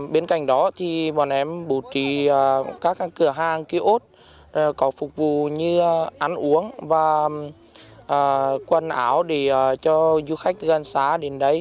bên cạnh đó bọn em bố trí các cửa hàng kia ốt có phục vụ như ăn uống và quần áo cho du khách gần xá đến đấy